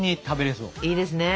いいですね。